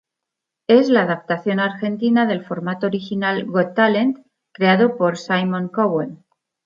Es la adaptación argentina del formato original Got Talent, creado por Simon Cowell.